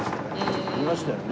いましたよね。